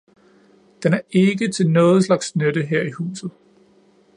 Den er ikke til noget slags nytte her i huset